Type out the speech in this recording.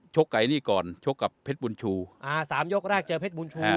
ไก่นี่ก่อนชกกับเพชรบุญชูอ่าสามยกแรกเจอเพชรบุญชู